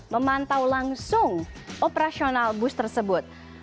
memantau langsung operasional bus tersebut